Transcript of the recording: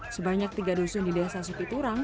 sebanyak tiga dusun di desa supiturang